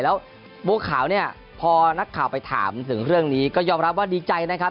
แล้วบัวขาวเนี่ยพอนักข่าวไปถามถึงเรื่องนี้ก็ยอมรับว่าดีใจนะครับ